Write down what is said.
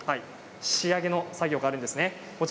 仕上げの作業があるんですね。